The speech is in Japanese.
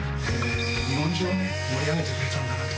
日本中を盛り上げてくれたんだなと。